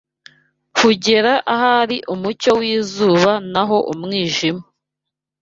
kugera ahari umucyo w’izuba naho umwijima